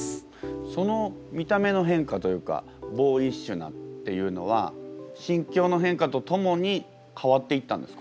その見た目の変化というかボーイッシュなっていうのは心境の変化とともに変わっていったんですか？